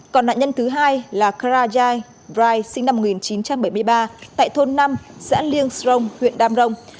còn nạn nhân thứ hai là kara jai rai sinh năm một nghìn chín trăm bảy mươi ba tại thôn năm xã liêng sông huyện đam rông